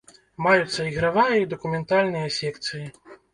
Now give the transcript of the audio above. Маюцца ігравая і дакументальныя секцыі.